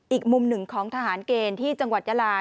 อีกมุมหนึ่งของทหารเกณฑ์ที่จังหวัดยาลา